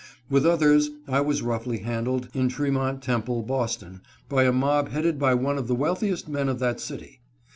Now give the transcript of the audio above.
With others, I was roughly handled in Tremont Temple, Boston, by a mob headed by one of the wealthiest men of that city.